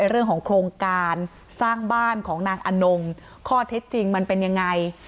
เรื่องของโครงการสร้างบ้านของนางอนงข้อเท็จจริงมันเป็นยังไง